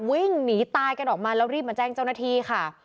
วิ่งหนีตายกันออกมาแล้วรีบมาแจ้งเจ้าหน้าที่ค่ะ